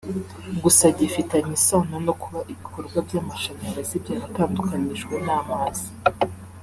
Gusa gifitanye isano no kuba ibikorwa by’amashanyarazi byaratandukanyijwe n’amazi